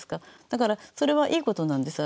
だからそれはいいことなんです